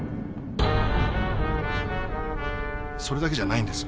それだけじゃないんです。